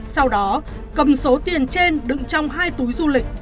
sau đó cầm số tiền trên đựng trong hai túi du lịch